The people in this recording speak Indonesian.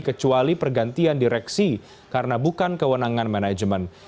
kecuali pergantian direksi karena bukan kewenangan manajemen